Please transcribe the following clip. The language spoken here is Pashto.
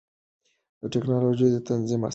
دا ټېکنالوژي تنظیم اسانه کوي.